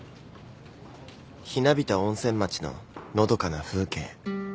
ひなびた温泉町ののどかな風景。